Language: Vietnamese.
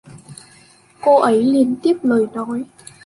cô ấy liền tiếp lời nói